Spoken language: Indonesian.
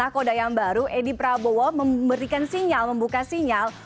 koda yang baru edi prabowo memberikan sinyal membuka sinyal